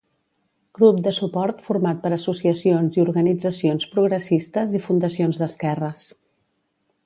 Grup de suport format per associacions i organitzacions progressistes i fundacions d'esquerres.